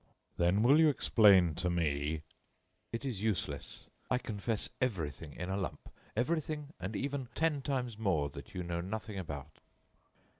"Then will you explain to me " "It is useless. I confess everything in a lump, everything and even ten times more than you know nothing about."